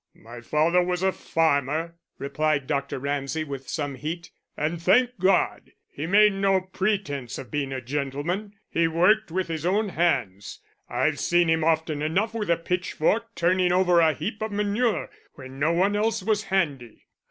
"My father was a farmer," replied Dr. Ramsay, with some heat, "and, thank God! he made no pretence of being a gentleman. He worked with his own hands; I've seen him often enough with a pitchfork, turning over a heap of manure, when no one else was handy."